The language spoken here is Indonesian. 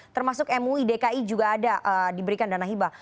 termasuk mui dki juga ada diberikan dana hibah